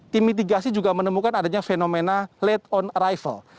tim mitigasi juga menemukan adanya fenomena late on arrival